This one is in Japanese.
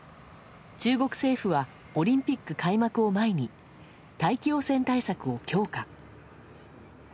中国政府はオリンピック開幕を前に大気汚染対策を強化。